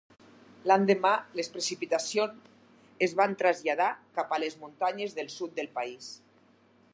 L’endemà, les precipitacions es van traslladar cap a les muntanyes del sud del país.